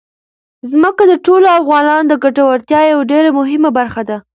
ځمکه د ټولو افغانانو د ګټورتیا یوه ډېره مهمه برخه ده.